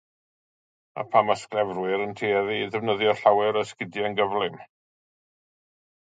Dyma pam mae sglefrwyr yn tueddu i ddefnyddio llawer o esgidiau'n gyflym.